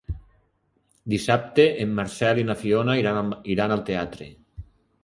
Dissabte en Marcel i na Fiona iran al teatre.